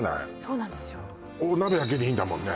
お鍋だけでいいんだもんね